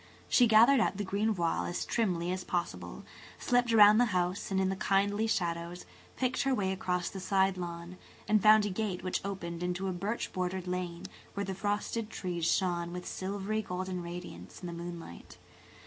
[Page 149] She gathered up the green voile as trimly as possible, slipped around the house in the kindly shadows, picked her way across the side lawn, and found a gate which opened into a birch bordered lane where the frosted trees shone with a silvery golden radiance in the moonlight.